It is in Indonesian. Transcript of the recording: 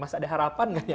masih ada harapan nggak nih